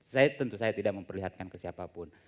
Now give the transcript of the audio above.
saya tentu saya tidak memperlihatkan ke siapapun